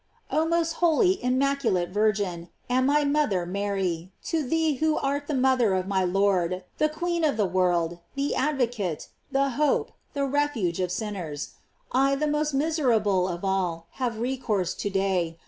OH most holy, immaculate Virgin, and my mother Mary, to thee who art the mother of my Lord, the queen of the world, the advocate, the hope, the refuge of sinners, I, the most miser able of all, have recourse to day.